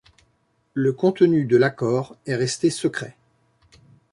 Le contenu de l'accord est resté secret.